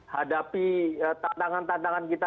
hadapi tantangan tantangan kita